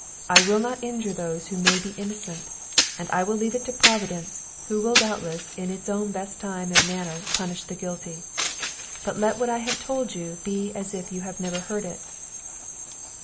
I will not injure those who may be innocent; and I leave it to Providence, who will doubtless, in its own best time and manner, punish the guilty. But let what I have told you be as if you had never heard it."